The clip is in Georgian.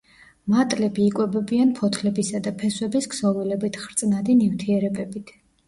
მატლები იკვებებიან ფოთლებისა და ფესვების ქსოვილებით, ხრწნადი ნივთიერებებით.